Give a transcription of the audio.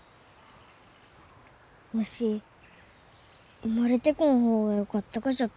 わし生まれてこん方がよかったがじゃと。